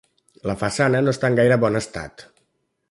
La façana no està en gaire bon estat.